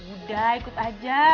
udah ikut aja